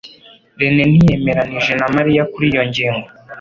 rene ntiyemeranije na Mariya kuri iyo ngingo.